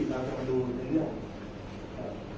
แต่ว่าไม่มีปรากฏว่าถ้าเกิดคนให้ยาที่๓๑